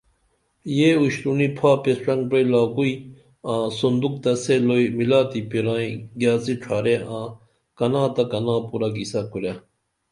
یے اُشترونی پھاپیس ڇنگ پرئی لاکوئی آں سُندوک تہ سے لوئی ملاتی پیرائیں گیاڅی ڇھارے آں کنا تہ کنا پورہ کھیسہ کُرے